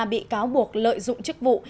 bị cáo buộc lợi dụng chức vụ